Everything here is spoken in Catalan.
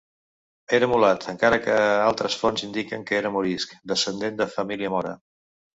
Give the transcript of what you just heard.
Era mulat, encara que altres fonts indiquen que era morisc, descendent de família mora.